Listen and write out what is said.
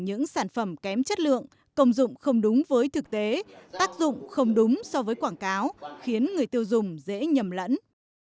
những sản phẩm kém chất lượng công dụng không đúng với thực tế tác dụng không đúng so với quảng cáo khiến người tiêu dùng dễ nhầm lẫn